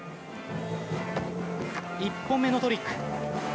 １本目のトリック。